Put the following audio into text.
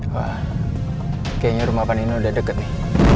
wah kayaknya rumah panennya udah deket nih